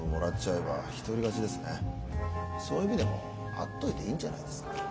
そういう意味でも会っといていいんじゃないですか？